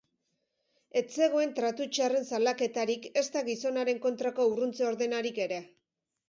Ez zegoen tratu txarren salaketarik ezta gizonaren kontrako urruntze ordenarik ere.